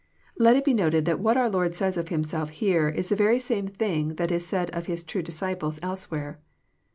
Let it be noted that what our Lord says of Himself here is the very same thing that is said of His true disciples elsewhere.